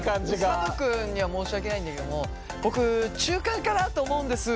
サム君には申し訳ないんだけども「僕中間かなと思うんです」が。